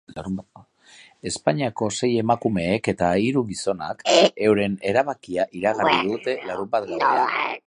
Epaimahaiko sei emakumeek eta hiru gizonak euren erabakia iragarri dute larunbat gauean.